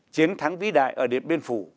chiến thắng vĩ đại ở điện biên phủ